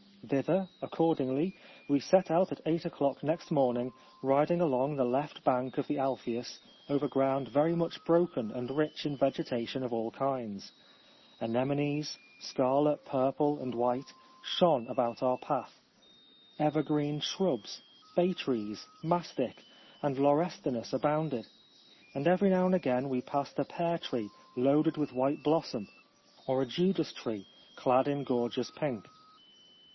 Thither, accordingly, we set out at eight o'clock next morning, rid ing along the left bank of the Alphe us over ground very much broken and rich in vegetation of all kinds. Anemones, scarlet, purple, and white, shone about our path ; evergreen shrubs, bay trees, mastic, and lau restinus abounded ; and every now and again we passed a pear tree loaded with white blossom, or a judas tree clad in gorgeous pink.